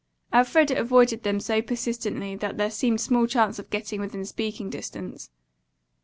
Elfreda avoided them so persistently that there seemed small chance of getting within speaking distance.